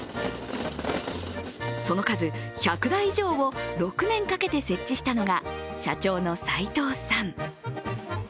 その数、１００代以上を６年かけて設置したのが社長の齋藤さん。